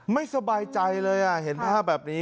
ไม่สบายใจเลยเห็นภาพแบบนี้